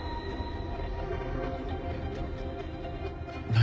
何？